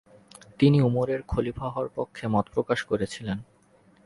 তিনি উমরের খলিফা হওয়ার পক্ষে মত প্রকাশ করেছিলেন।